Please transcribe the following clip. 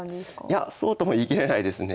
いやそうとも言い切れないですね。